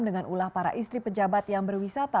dengan ulah para istri pejabat yang berwisata